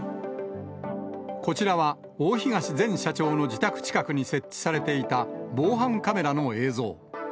こちらは大東前社長の自宅近くに設置されていた防犯カメラの映像。